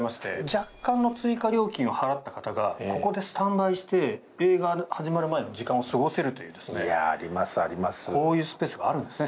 若干の追加料金を払った方がここでスタンバイして映画、始まる前の時間を過ごせるというこういうスペースがあるんですね